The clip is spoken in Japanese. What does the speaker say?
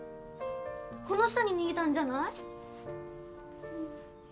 この下に逃げたんじゃない？